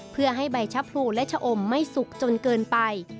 เพื่อให้ใบชะพรูและชะอมไม่สุกจนเกินไป